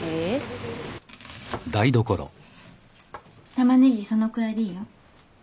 タマネギそのくらいでいいよ。